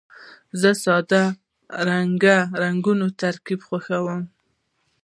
زه د ساده رنګونو ترکیب خوښوم.